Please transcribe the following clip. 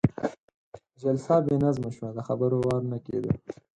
جلسه بې نظمه شوه، د خبرو وار نه کېده.